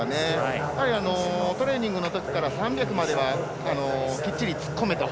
やっぱりトレーニングのときから３００まではきっちり突っ込めと。